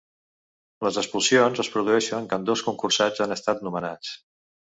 Les expulsions es produeixen quan dos concursants han estat nomenats.